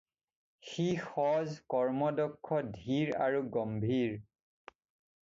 সি সজ, কৰ্মদক্ষ, ধীৰ আৰু গম্ভীৰ।